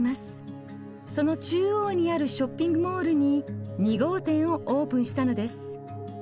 その中央にあるショッピングモールに２号店をオープンしたのです。